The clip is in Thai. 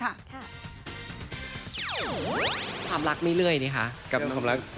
ความรักไม่เรื่อยนี่คะ